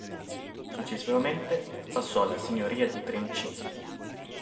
Successivamente passò alla Signoria di Trenčín.